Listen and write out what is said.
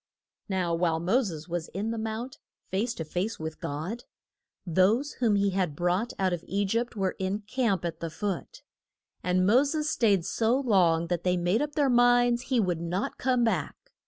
] Now while Mo ses was in the mount, face to face with God, those whom he had brought out of E gypt were in camp at the foot. And Mo ses staid so long that they made up their minds he would not come back.